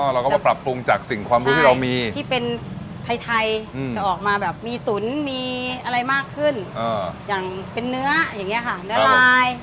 เราก็มาปรับปรุงจากสิ่งความรู้ที่เรามีที่เป็นไทยจะออกมาแบบมีตุ๋นมีอะไรมากขึ้นอย่างเป็นเนื้ออย่างนี้ค่ะเนื้อลาย